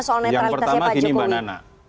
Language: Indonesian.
soal netralitasnya pak jokowi yang pertama gini mbak nana